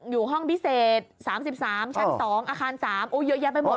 อยู่ห้องพิเศษ๓๓ชั้น๒อาคาร๓เยอะแยะไปหมด